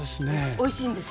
おいしいんです。